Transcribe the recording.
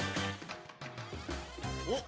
おっ。